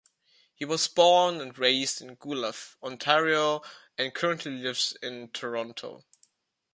He was born and raised in Guelph, Ontario, and currently lives in Toronto.